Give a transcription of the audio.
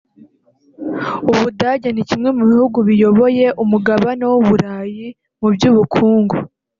u Budage ni kimwe mu bihugu biyoboye umugabane w’u Burayi mu by’ubukungu